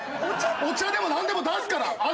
お茶でも何でも出すから上がれよ！